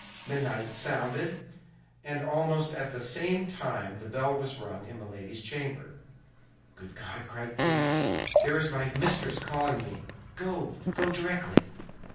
Midnight sounded, and almost at the same time the bell was rung in Milady's chamber. "Good God," cried Kitty, "there is my mistress calling me! Go; go directly!"